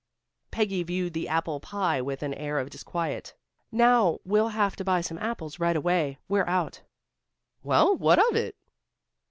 Peggy viewed the apple pie with an air of disquiet. "Now, we'll have to buy some apples, right away. We're out." "Well, what of it?"